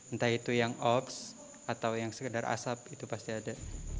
entah itu yang ox atau yang sekedar asap itu pasti ada